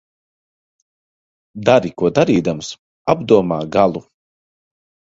Dari ko darīdams, apdomā galu.